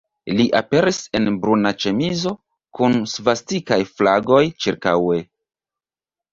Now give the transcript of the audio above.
Li aperis en bruna ĉemizo, kun svastikaj flagoj ĉirkaŭe.